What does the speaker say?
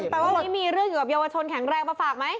แปลว่าวันนี้มีเรื่องอยู่กับเยาวชนแข็งแรงมาฝากไหม